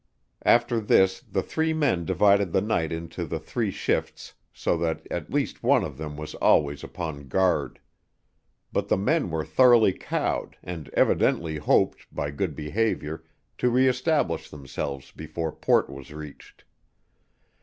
After this the three men divided the night into the three shifts so that at least one of them was always upon guard. But the men were thoroughly cowed, and evidently hoped, by good behavior, to reëstablish themselves before port was reached.